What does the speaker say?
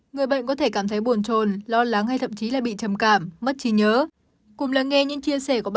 người bệnh có thể cảm thấy buồn trồn lo lắng hay thậm chí là bị trầm cảm mất trí nhớ